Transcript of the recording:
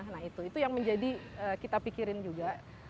nah itu itu yang menjadi kita pikirin juga